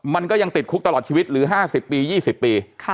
มันก็ยังติดคุกตลอดชีวิตหรือ๕๐ปี๒๐ปี